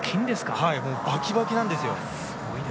バキバキなんですよ。